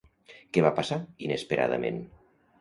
Què va passar inesperadament?